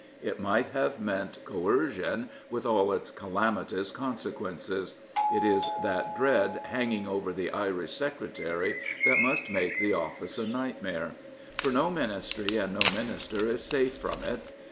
It might have meant coer cion, with all its calamitous consequences. It is that dread hanging over the Irish Secretary that must make the office a nightmare. For no Ministry and no Minister is safe from it.